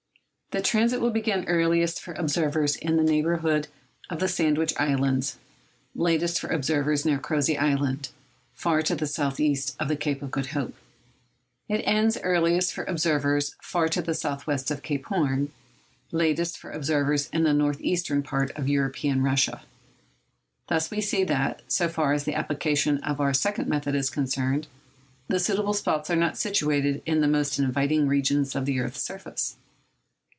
The transit will begin earliest for observers in the neighbourhood of the Sandwich Islands, latest for observers near Crozet Island, far to the south east of the Cape of Good Hope. It ends earliest for observers far to the south west of Cape Horn, latest for observers in the north eastern part of European Russia. Thus we see that, so far as the application of our second method is concerned, the suitable spots are not situated in the most inviting regions of the earth's surface.